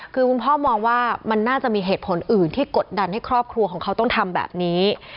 คือคุณพ่อมองว่ามันน่าจะมีเหตุผลอื่นที่กดดันให้ครอบครัวของเขาต้องทำแบบนี้